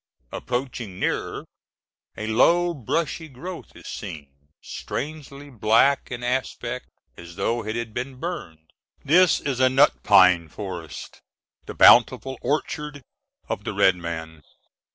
Approaching nearer, a low brushy growth is seen, strangely black in aspect, as though it had been burned. This is a nut pine forest, the bountiful orchard of the red man.